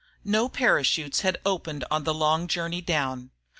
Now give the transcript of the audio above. No parachutes had opened on the long journey down.